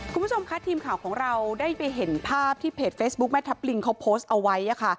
คุณผู้ชมคะทีมข่าวของเราได้ไปเห็นภาพที่เพจเฟซบุ๊คแม่ทับลิงเขาโพสต์เอาไว้ค่ะ